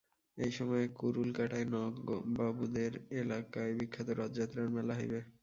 এই সময়ে কুড়ুলকাটায় নাগবাবুদের এলাকায় বিখ্যাত রথযাত্রার মেলা হইবে।